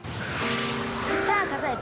さあ数えて！